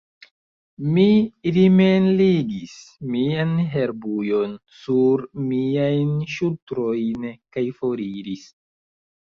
Mi rimenligis mian herbujon sur miajn ŝultrojn kaj foriris.